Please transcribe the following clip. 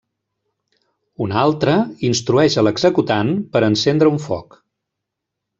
Una altra instrueix a l'executant per encendre un foc.